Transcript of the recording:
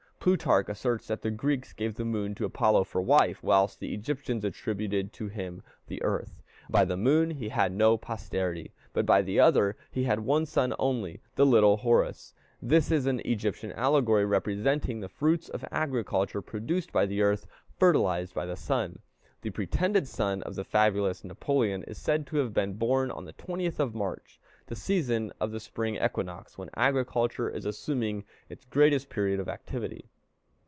Plutarch asserts that the Greeks gave the moon to Apollo for wife, whilst the Egyptians attributed to him the earth. By the moon he had no posterity, but by the other he had one son only, the little Horus. This is an Egyptian allegory, representing the fruits of agriculture produced by the earth fertilized by the Sun. The pretended son of the fabulous Napoleon is said to have been born on the 20th of March, the season of the spring equinox, when agriculture is assuming its greatest period of activity.